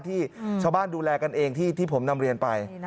ที่ชาวบ้านดูแลกันเองที่ผมนำเรียนไป